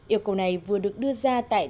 yêu cầu này vừa được đưa ra tại